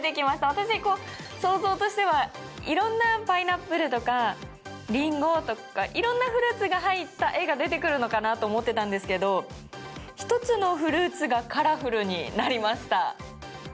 私、想像としては色んな、パイナップルとかリンゴとか色々なフルーツが入った絵が出てくるのかなと思っていたんですけど１つのフルーツがカラフルになりました。